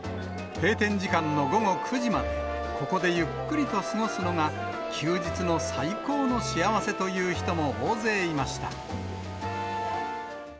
閉店時間の午後９時まで、ここでゆっくりと過ごすのが、休日の最高の幸せという人も大勢いました。